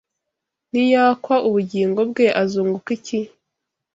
niyakwa ubugingo bwe azunguka iki?